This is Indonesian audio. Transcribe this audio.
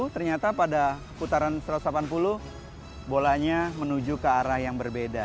ternyata pada putaran satu ratus delapan puluh bolanya menuju ke arah yang berbeda